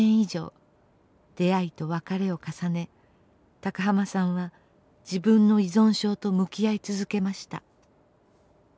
出会いと別れを重ね高浜さんは自分の依存症と向き合い続けました。